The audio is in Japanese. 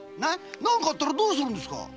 何かあったらどうするんですか